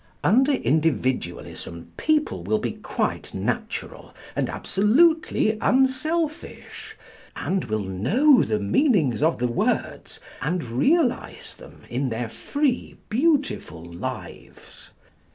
Under Individualism people will be quite natural and absolutely unselfish, and will know the meanings of the words, and realise them in their free, beautiful lives.